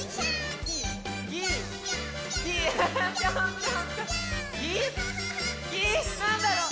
ぎぎなんだろう？